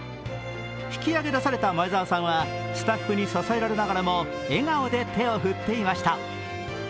引き上げ出された前澤さんはスタッフに支えられながらも、笑顔で手を振っていました。